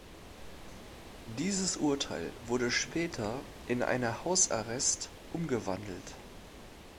Dieses Urteil wurde später in eine Hausarrest umgewandelt.